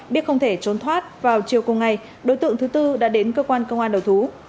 biết không thể trốn thoát vào chiều cùng ngày đối tượng thứ tư đã đến cơ quan công an đầu thú